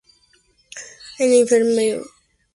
En la inferior aparecen dos toros enfrentándose.